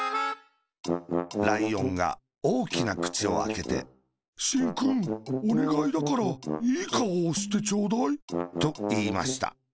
ライオンがおおきなくちをあけて「しんくん、おねがいだからいいかおをしてちょーだい。」と、いいました。